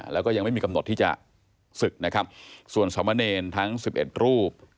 แล้วก็ยังไม่มีกำหนดที่จะศึกนะครับส่วนสมเนรทั้ง๑๑รูป